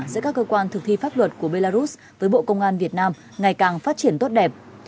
giữa các cơ quan thực thi pháp luật của belarus với bộ công an việt nam ngày càng phát triển tốt đẹp